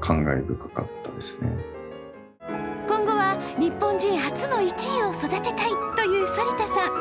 今後は日本人初の１位を育てたいという反田さん。